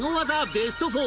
ベスト４